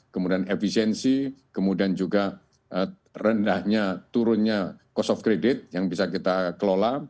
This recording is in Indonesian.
kemudian efisiensi kemudian juga rendahnya turunnya cost of credit yang bisa kita kelola